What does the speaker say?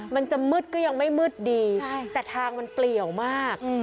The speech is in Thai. มันจะมืดก็ยังไม่มืดดีแต่ทางมันเปลี่ยวมาก